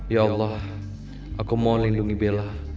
ya allah aku mohon lindungi bella